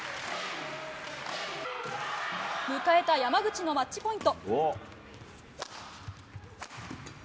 迎えた山口のマッチポイント。